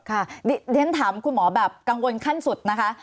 เรียนถามคุณหมอแบบกังวลขั้นสุดนะคะ